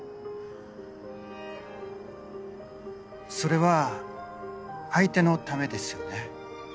それは相手のためですよね。